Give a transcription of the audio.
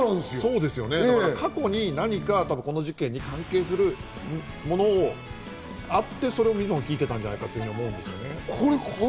過去に何か、その事件に関係するものがあって、それを瑞穂が聞いていたんじゃないかと思うんですね。